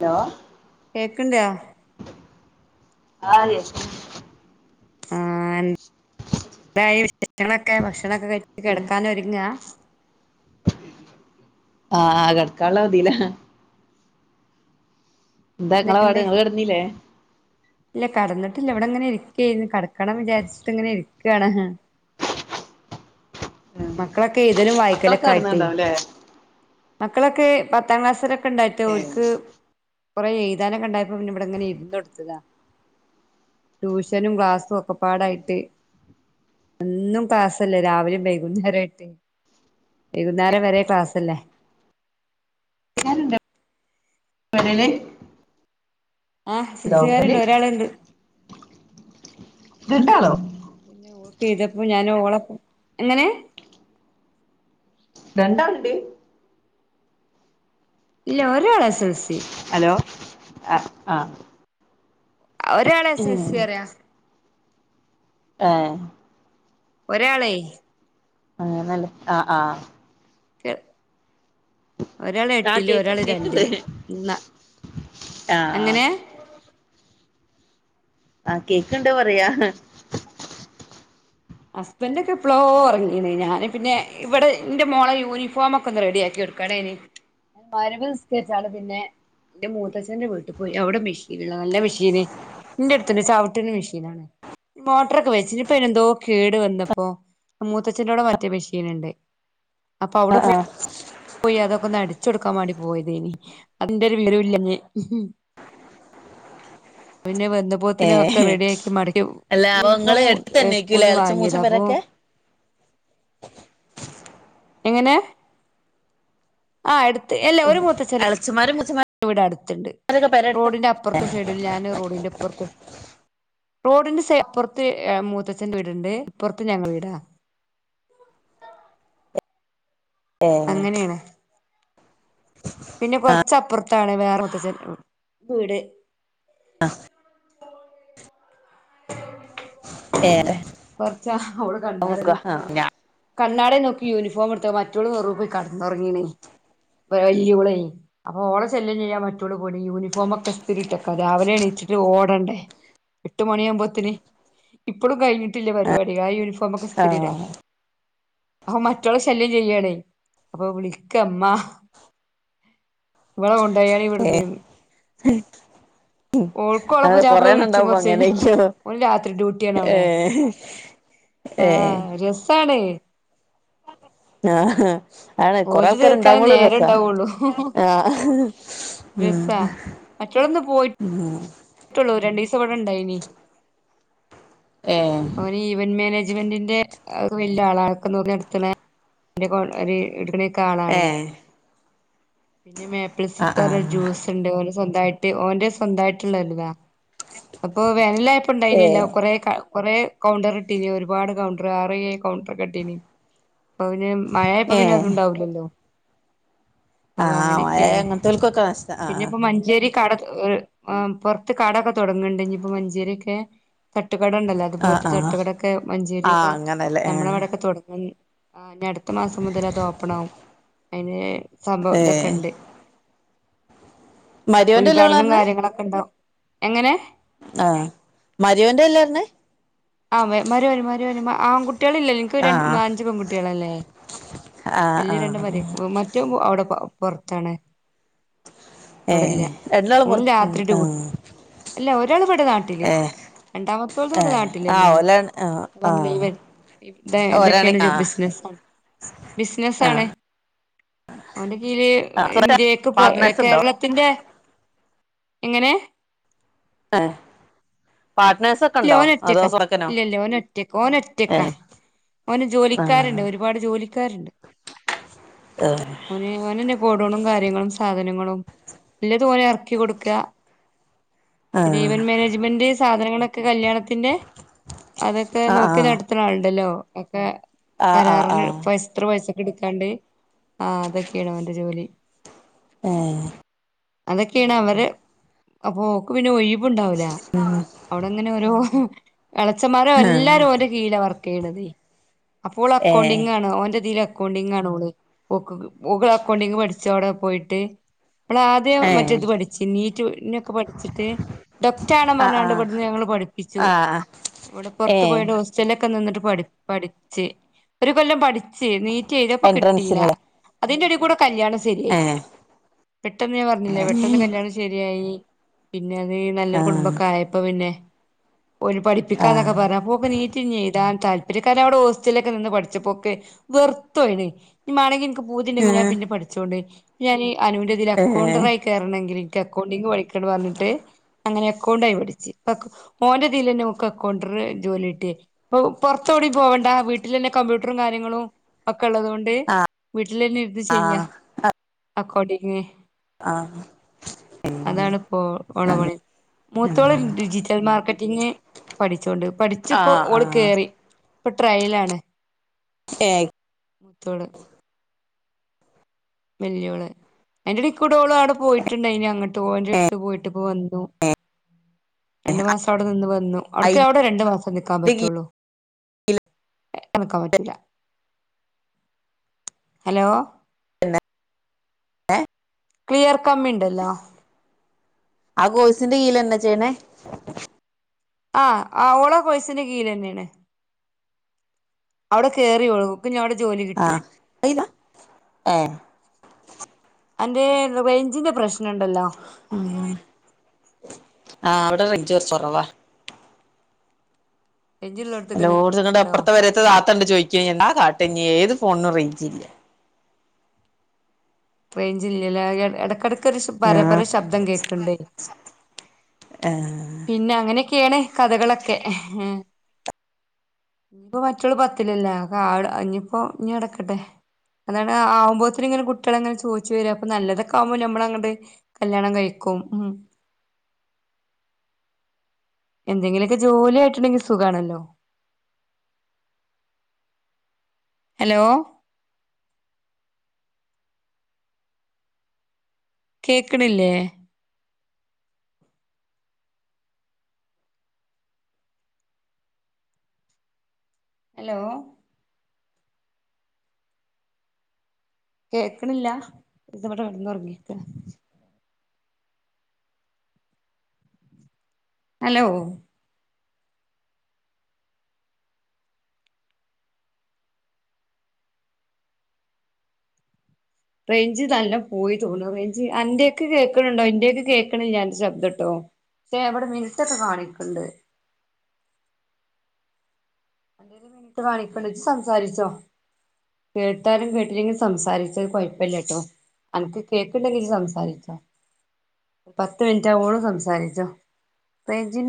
Hello കേക്കണ്ടോ ആഹ് [unintelligible] ആ [unintelligible] ഭക്ഷണൊക്കെ കഴിച്ചു കിടക്കാനൊ രുങ്ങുവാ ആഹ് കെടക്കാനുള്ള തീല എന്താ നിങ്ങളെ പാട് എന്തൊക്കെണ്ട് നിങ്ങള് കിടന്നില്ലേ ഇല്ല കടന്നിട്ടില്ല ഇവിടെങ്ങനെ ഇരിക്കയായിരുന്നു കടക്കണം വിചാരിച്ചിട്ട് ഇങ്ങനെ ഇരിക്കാണ്. ഉം മക്കളൊക്കെ എഴുതലും മക്കളൊക്കെ വായിക്കലൊക്കെ ആയിട്ടേ കെടന്നുണ്ടാവുംല്ലേ മക്കളൊക്കെ പത്താം ക്ലാസ്സിലെ കണ്ടായിട്ട് ഏഹ് ഓൽക്ക് കുറെ എഴുതാനൊക്കെയുണ്ടായപ്പോ പിന്നെ ഇവിടെ ഇങ്ങനെ ഇരുന്നു കൊടുത്തതാ ട്യൂഷനും ക്ലാസ്സും ഒക്കെ പാടായിട്ട് എന്നും ക്ലാസ്സല്ലേ രാവിലെയും വൈകുന്നേരം ആയിട്ട് വൈകുന്നേരം വരെ ക്ലാസ്ലല്ലേ. [unintelligible] ആ എസ് എസ ൽ ലോക്കല് സികാരുണ്ട് ഒരാളുണ്ട് രണ്ടാളോ കിടപ്പ് ഞാൻ ഓളപ്പം എങ്ങനെ രണ്ടാള്ണ്ട് ഇല്ല ഓരാള് എസ് എൽ സി ഹലോ ആഹ് ആഹ് ഒരാള് എസ് എൽ സി ഏഹ് പറയാ ഏഹ ഒരാളെയ് ആ നല്ല ആ ആ എ ഒരാള് ആഹ് എട്ടില് കേക്ക്ണ്ട് ഒരാള് കേക്ക്ണ്ട് രണ്ടില് ഇ ആഹ് എങ്ങനെ ആഹ കേക്ക്ണ്ട് പറയാ ഹസ്ബൻ്ക്കെ പ്ലോ ഉറങ്ങിയീണ് ഞാന് പിന്നെ ഇവിടെ എൻ്റെ മോളെ യൂണിഫോമൊക്കെ ഒന്ന് റെഡിക്കി കെട് [unintelligible] മഗ്‌രിബ് നിസ്കരിച്ചാൽ പിന്നെ എന്റെ മൂത്തച്ഛന്റെ വീട്ടിൽ പോയി അവിടെ മെഷീൻള്ള നല്ല മെഷീന് നിന്റെ അടുത്തണ്ട് ചവിട്ടി മെഷീനാണ് മോട്ടറൊക്കെ വെച്ചിട്ട് പ്പയ്‌നന്തോ കേട് വന്നപ്പോ മൂത്തച്ഛൻ്റോടെമറ്റേ മെഷീൻണ്ട് അപ്പം അവിടെ ആഹ് ആഹ് പോയി അതൊക്കെ ഒന്ന്ടിച്ച കൊടുക്കാൻ വേണ്ടി പോയതേനി അതിന്റെ ഒരു വിവരുല്ലഞ്ഞി പിന്നെ വെന്നപ്പോത്തിന ഒക്കെ ഏഹ് റെഡി ആക്കി മടക്കി അല്ല അപ്പൊ യൂണിഫോം ഇങ്ങള് എടുത്ത് തന്നേക്കൂല്ലേ സ്കൂളിൽന്ന് എളച്ചൻ മൂച്ചൻ വാങ്ങിയതാ അപ്പൊ പെരൊക്കെ എങ്ങനെ ആ എടുത്ത് എ ഉ എളച്ചിമാരും മുത്തച്ഛി ഇവിടെ അടുത്തുണ്ട് റോഡിന്റെ അപ്പുറത്തെ സൈഡിൽ ഞാന് റോഡിന്റെപ്പുറത്ത് റോഡിന്റെ സൈ അപ്പുറത്ത് മൂത്തച്ഛന്റെ വീടുണ്ട് ഇപ്പുറത്ത് ഞങ്ങൾ വീടാ ഏഹ് അങ്ങനെയാണ് പിന്നെ കൊറച്ചപ്പുറത്താണ് വേറെ മൂത്തച്ഛൻ്റെവീട് അഹ് [inaudible] ഏറെ കൊറച്ച് അവള് കണ്ടാരുന്നു കണ്ണാടി നോക്കി യൂണിഫോം എടുത്ത മറ്റോള് റൂമി പോയി കെടന്നുറങ്ങീനേ വല്ല്യോളേ അപ്പൊ ഓള് ശല്ലൃം ചെയ്യാ മറ്റോള് പോടി യൂണിഫോം ഒക്കെ ഇസ്ത്തിരിട്ടേക്കാ രാവിലെ എണീറ്റ് ഓടണ്ടേ എട്ട് മണിയാകുമ്പോത്തിന് ഇപ്പഴും കഴിഞ്ഞി ത്തില്ലേ പരിപാടി ആ യൂണിഫോം ഒക്കെ ആ ഇസ്ത്തിരി ഇടാ അപ്പൊ മറ്റുള്ള ശല്യം ചെയ്യാണേ അപ്പൊ വിളിക്കമ്മ ഇവളാ കൊണ്ടായാണ് ഇവിടുന്നേന്ന് ഉം ഓൾക്കും ഓളെ അത് പുതിയാപ്ല കൊറേണ്ണം വിളിച്ചും ഇണ്ടാവും ഇപ്പോ കൊറച്ചഴിഞ്ഞാ അങ്ങനെയ്യോ ഓന് രാത്രി ഡ്യൂട്ടിയാണ് അവിടെ ഏഹ് ആഹ് രസാണ് ആ ആണ് കൊറെ ഓൽത് ആൾക്കാര് തീർക്കാനേ ഇണ്ടാവുമ്പോള് രസാ നേരണ്ടാവുള്ളൂ രസാ മറ്റേതിന്ന് പോയി ഉം ആഹ് പറ്റുള്ളൂ രണ്ടീസം ഇവിടെ ഇണ്ടായിനി ഏഹ് ഇവൻ ഈവന്റ് മാനേജ്മെന്റിന്റെ വലിയ ആളാണ് അതൊക്കെ നോക്കി നടത്ത്ണെ [unintelligible] ഏ ആളാണേ പിന്നെ ആ ആ [unintelligible] ജ്യൂസ് ണ്ട് ഓല് സ്വന്തായിട്ട് ഓന്റെ സ്വന്തമായിട്ടുള്ള ഇതാ അപ്പൊ വേനലായപ്പ ഏ ഇണ്ടായിനില്ലോ കൊറെ കൊറേ കൗണ്ടർ ഇട്ടീന് ഒരുപാട് കൗണ്ടർ ആറേഴ് കൗണ്ടർ കെട്ടീനി അപ്പൊ പിന്നെ മഴ ഇപ്പ ഏ പിന്നെ അത്ണ്ടാവില്ലല്ലോ ആ അപ്പ മഴ അങ്ങനെയൊക്കെയാണ് അങ്ങനത്തോൽക്കൊക്കെ നഷ്ടാ ആ പിന്നെ ഇപ്പോ മഞ്ചേരി കട് പുറത്ത് കടൊക്കെ തൊടങ്ങ്ണ്ട് ഇനി ഇപ്പൊ മഞ്ചേരിയൊക്കെ തട്ടുകട ഇണ്ടല്ലോ ആ അതുപോലത്തെ ആ തട്ടുകടൊക്കെ മഞ്ചേരി ആ ഇവിടെ അങ്ങനല്ലേ നമ്മളെ ആ അവിടൊക്കെ തുടങ്ങ ആ അൻ്റ അടുത്ത മാസം മുതൽ അത് ഓപ്പണാവും അയിന് സംഭവം ഏ ഇതൊക്കെണ്ട് മരിയോന്റെ അല്ലേ ഇങ്ങള് ഉദ്ഘാടനും പറഞ്ഞേ കാര്യങ്ങളൊക്കെ ഉണ്ടാവും എങ്ങനെ ആഹ് മരീവന്റെ എല്ലാരുന്ന് ആഹ് മരുവരും മരുവരും മ ആൺകുട്ടികളിലല്ല ഇപ്പ ആ രൺ അഞ്ച് പെൺകുട്ടികളല്ലേ ആ ആ വലിയ രണ്ട് മാര് ഉം മറ്റവൻ അവിടെ പ പുറത്താണ് ഇവിടില്ല ഏഹ് രണ്ടാളും ഓന് പുറത്ത് രാത്രി ഡ്യൂട്ടി ആഹ് അല്ല ഒരാള് ഇവിടെ നാട്ടില് രണ്ടാമത്തേത് ഏ ഇവിടെ നാട്ടില് ആ തന്നെയാണ് ഓലാണ് ആ ആ അപ്പം ഇവൻ ഇത്തെ ഓരാണ് ആ ഇതൊക്കെയാണെലോ ബിസിനസ്സ് ബിസിനസ്സ് ആ ആണ് അവന്റെ കീഴി ആ ഇന്ത്യയൊക്കെ കൊറെ പാർട്ട്നേഴ്സ് ഉണ്ടോ കേരള ത്തിന്റെ എങ്ങനെ ആഹ് പാട്‌നേഴ്സ് ഇല്ല ഓന് ഒറ്റക്ക ഇല്ല ഇല്ല ഓനൊറ്റക്ക ഏ ഓനൊറ്റക്കാ ഒറ്റക്കാ ഓന് ജോലിക്കാരുണ്ട് ഒരുപാട് ജോലിക്കാരുണ്ട് ആഹ് ഓന് ഓന് തന്നെ ഗോഡൗണും കാര്യങ്ങളും സാധനങ്ങളും ഉള്ളതുപോലെ ഇറക്കി കൊടുക്കുക ആ പിന്നെ ഈവൻ മാനേജ്മെന്റ് സാധനങ്ങളൊക്കെ കല്യാണത്തിന്റെ അതൊക്കെ ആ ആ നോക്കി നട ഉണ്ടല്ലോ ഒക്കെ ആ ആ ആ കരാറിന് ഫസ് എത്ര പയ്സക്ക് എടുക്കാണ്ട് ആ അതൊക്കെയാണ് അവന്റെ ജോലി ആഹ് അതൊക്കെയാണ് അവര് അപ്പോക്ക് പിന്നെ ഒഴിവ് ഉണ്ടാവൂല ആഹ് അവിടങ്ങനെ ഒരോ എള്ളച്ചന്മാര് എല്ലാരും ഓൻ്റെ കീഴിലാ വർക്ക് ചെയ്യണത് അപ്പോൾ ഏ അക്കൗണ്ടിംഗ്ങ്ങാണ് ഓന്റെതി അക്കൗണ്ടിങ്ങ് ആണ് ഓള്. ഓക് ക്ക് ഓക് അക്കൗണ്ടിംഗ് പഠിച്ച് അവിടെ പോയിട്ട് ഓള ആദ്യം ഏ മറ്റേ ഇത് പഠിച്ച് നീറ്റ് നൊക്കെ പഠിച്ചിട്ട് ടൊക്റ്റ ആണ് ആ ആ പറഞ്ഞാണ്ട് പ ഞങ്ങള് പഠിപ്പിച്ചു. ആ ഇവിടെ ഏ പുറത്ത് പോയട്ട് ഹോസ് ചെല്ലൊക്കെ നിന്നിട്ട് പഠി പഠിച്ച്. ഒരു കൊല്ലം പ ഠിച്ച് നീറ്റ് എഴുതപ്പം കിട്ടിയില്ല. എൻട്രൻസിനല്ലേ അതിന്റെ എടെ കൂടെ കല്യാണം ഏ സെരിയായി. പെട്ടെന്ന് ഞാൻ പറഞ്ഞില്ലേ പെട്ടെന്ന് കല്യാണം ശരിയായി. പിന്നെ അത് ആ നല്ലൊരു കുടുംബക്കാര് പ്പോ പിന്നെ ഓര് ആ പഠിപ്പിക്കാനൊക്കെ പറഞ്ഞപ്പോ പൊ നീ റ്റിന് എഴുതാൻ താല്പര്യ കാരണം അവിടെ ഹോസ്റ്റലിലൊക്കെ നിന്ന് പഠിച്ചപ്പോക്കെ വെർത്ത് പോയെണ് ഇഞ് മാണെങ്കി ഇൻക്ക് ഏ പൂതിണ്ടങ്കി ഞാൻ പിന്ന പഠിച്ചോണ്ട് ഞാന് അനുവിന്റെതില് ഏ അകൗണ്ടറായി കേറണെങ്കിൽ ഇൻക്ക് അക്കൗണ്ടിങ്ങ് പഠിക്കണ പറഞ്ഞിട്ട് അങ്ങനെ അക്കൗണ്ടയി പ ച്ച് അകൗ ഓന്റെ ഇതിലന്നെ ഓക്ക് അകൗണ്ടർ ജോലി കിട്ടി പ്പം പൊർത്തോടിം പോവണ്ട വീട്ടിൽ തന്നെ കമ്പ്യൂട്ടറും കാര്യങ്ങളും ഒക്കെ ഉള്ളതു കൊണ്ട് വീട്ടിലന്നെ ഇരുത്തി ആ ചെയ്യാ അകൗഡിംഗ് ആ അതാണ് ഇപ്പോ ഓളെ പണി തോള്ൻ ഡിജിറ്റൽ മാർക്കറ്റിങ്ങ് പഠിച്ചോണ്ട് പഠിച്ച് ആ ഇപ്പോ ആ ഓള് കേറി. ഇപ്പൊ ട്രയല് ആണ് [unintelligible] ത്തോള് വല്യോള്. അയിന്റെടേയ്കൂടെ ഓള് ആടെ പോയിട്ടുണ്ട് അയിൻ്റെ അങ്ങ് തോൻ്റെ ഏ അടുത്ത് പോയിട്ടിപ്പോ വന്നു രണ്ടു മാസം അവിടെ നിന്ന് വന്നു അവിട്ക്ക് അയിന്റെ അവിടെ രണ്ടു മാസം നിക്കാൻ പറ്റുള്ളൂ നിക്കാൻ കീഴിൽ പറ്റൂല. ഹലോ [unintelligible] ഏഹ് ക്ലിയർ കമ്മി ഇണ്ടല്ലോ ആ കോഴ്സിന്റെ കീഴിലന്നെ ചെയ്യ്ണെ ആഹ് ആഹ് ഓള ആ കോയ്സിന്റെ കീഴിലന്നെയാണ്. അവിടെ കേറി ഓള് ക്ക് ഞാടെ ജോലി കിട്ടി. ആഹ് അയിതാ ഏഹ് അൻ്റെ റേഞ്ചിന്റെ പ്രശ്നണ്ടല്ലോ ഉം. ആഹ് വടെ റേഞ്ച് കൊർച്ച് കൊറവാ. റേഞ്ചിള്ളോട്ത്ത്ക്ക് എല്ലോട്ത്തും ഇന്നട്ട് നിക്ക്ട്ടോ അപ്പർത്തെ പെരെത്ത താത്തണ്ട് ചോയിക്ക്ണ് എന്താ കാട്ട ഇഞ് ഏതു ഫോണിനും റെയിഞ്ച് ഇല്ല. റേഞ്ചില്ല ലേ ഖ ഇടക്കിടക്കൊ ഒരു പര പര ശബ്ദം കേൾക്കണ്ടേ. ആഹ് പിന്നെ അങ്ങനെയൊക്കെയാണ് കഥകളൊക്കെ. ഇപ്പോ മറ്റൊൾ പത്തിലല്ലേ ഇഞ്ഞിപ്പോ ഇഞ്ഞി അവ്ടെക്കെട്ടെ. അതാണ് ആവുമ്പോത്തിന്ങ്ങന കുട്ട്യേൾങ്ങനെ ചോയ് വര അപ്പോ നല്ലതൊക്കെ ആവുമ്പം നമ്മള അങ്ങട്. കല്യാണം കഴിക്കും. ഉം എന്തെങ്കിലൊക്കെ ജോലി ആയിട്ടുണ്ടെങ്കിൽ സുഖാണല്ലോ അലോ കേക്ക്ണില്ലേ? അലോ, കേക്ക്ണില്ല. ഇതിവിടെ കിടന്ന ഉറങ്ങിക്ക. അലോ റേഞ്ച് നല്ല പോയി തോന്നുന്ന് റേഞ്ച് അന്റെക് കേക്ക്ണണ്ടോ ഇന്റെക് കേക്കണില്ല അന്റെ ശബ്ദട്ടോ എവിടെ മിൻസൊക്കെ കാണിക്ണ്ട്. കാണിക്ണ്ട് ഇജ് സംസാരിച്ചോ കേട്ടാലും കേട്ടില്ലെങ്കിൽ സംസാരിചൊ അത് കൊയപ്പല്ലട്ടോ അൻക്ക് കേക്ണ്ടെങ്കിൽ ഇജ് സംസാരിച്ചോ പത്ത് മിൻറ്റാവോളും സംസാരിച്ചോ. റേഞ്ചിന്റെ